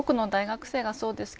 そうですね。